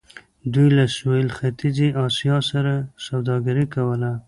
دوی له سویل ختیځې اسیا سره سوداګري کوله.